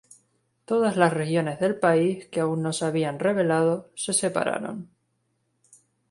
Todas las regiones del país, que aún no se habían rebelado, se separaron.